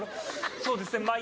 そうですねまぁ。